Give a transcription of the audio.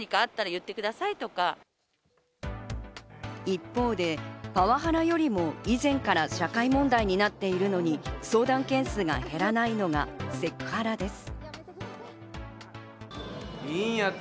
一方でパワハラよりも以前から社会問題になっているのに相談件数が減らないのがセクハラです。